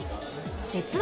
実は。